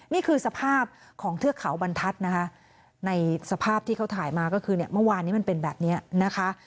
นี่คือสภาพของเทือกเขาบรรทัศน์นะคะในสภาพที่เขาถ่ายมาก็คือเนี่ยเมื่อวานนี้มันเป็นแบบนี้นะคะ